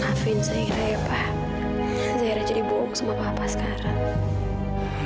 maafin saya ya pak jadi bohong sama papa sekarang